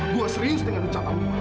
gue serius dengan pencatamu